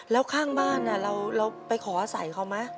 แล้วข้างบ้านเราไปขออาศัยเขาไหม